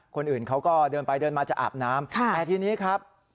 คนอื่นเขาก็เดินไปเดินมาจะอาบน้ำแต่ทีนี้ครับ